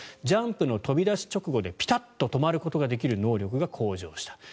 ジャンプの飛び出し直後でピタッと止まることできる能力が向上した。